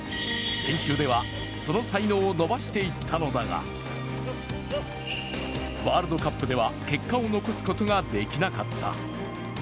練習では、その才能を伸ばしていったのだが、ワールドカップでは、結果を残すことができなかった。